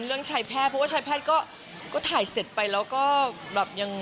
เรื่องชายแพทย์เพราะว่าชายแพทย์ก็ถ่ายเสร็จไปแล้วก็แบบยัง